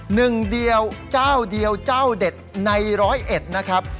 หนึ่งเดียวเจ้าเดียวเจ้าเด็ดในร้อยเอ็ดนะครับ